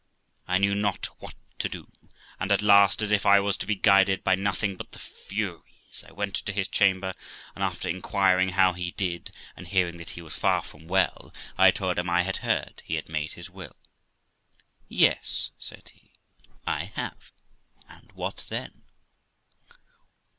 I knew not what to do; and, at last, as if I was to be guided by nothing but the furies, I went to his chamber, and, after inquiring how he did, and hearing that he was far from well, I told him I had heard he had made his will. 'Yes', said he, 'I have; and what then?'